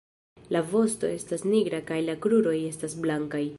La vosto estas nigra kaj la kruroj estas blankaj.